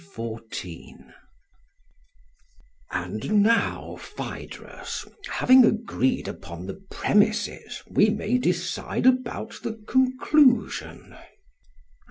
SOCRATES: And now, Phaedrus, having agreed upon the premises we may decide about the conclusion.